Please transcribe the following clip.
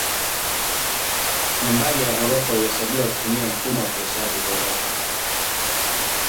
Nambari ya ghorofa huhesabiwa kutumia mfumo wa kuhesabu ghorofa.